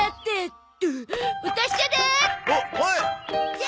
じゃ！